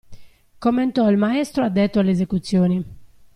Commentò il maestro addetto alle esecuzioni.